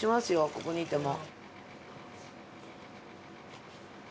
ここにいても。